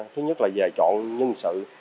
thứ nhất là về chọn nhân sự